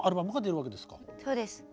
そうです。